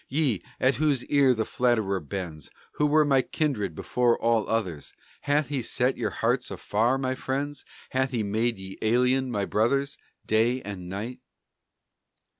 "Ye, at whose ear the flatterer bends, Who were my kindred before all others, Hath he set your hearts afar, my friends? Hath he made ye alien, my brothers, Day and night?"